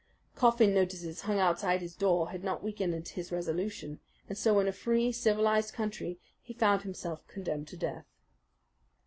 Coffin notices hung outside his door had not weakened his resolution, and so in a free, civilized country he found himself condemned to death.